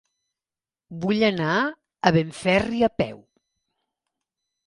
Vull anar a Benferri a peu.